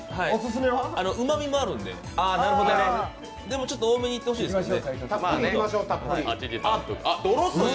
うまみもあるんで、でも多めにいってほしいですね。